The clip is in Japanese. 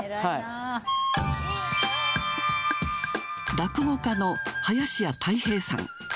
落語家の林家たい平さん。